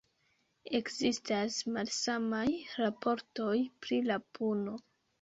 Ekzistas malsamaj raportoj pri la puno.